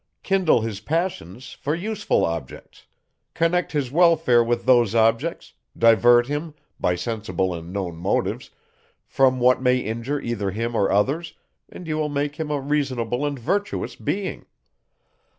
Kindle his passions for useful objects; connect his welfare with those objects; divert him, by sensible and known motives, from what may injure either him or others, and you will make him a reasonable and virtuous being.